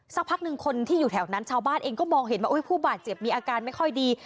สักพักหนึ่งคนที่อยู่แถวนั้นชาวบ้านเองก็มองเห็นว่าผู้บาดเจ็บมีอาการไม่ค่อยดี